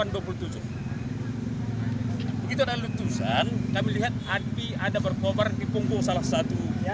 begitu ada letusan kami lihat api ada berkobar di punggung salah satu